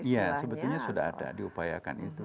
ya sebetulnya sudah ada diupayakan itu